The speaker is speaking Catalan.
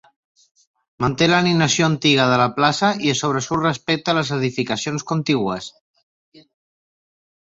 Manté l'alineació antiga de la plaça i sobresurt respecte a les edificacions contigües.